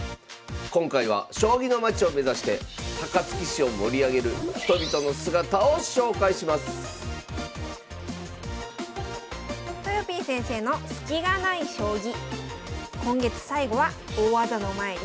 今回は将棋のまちを目指して高槻市を盛り上げる人々の姿を紹介しますとよぴー先生の「スキがない将棋」。